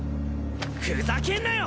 ふざけんなよ！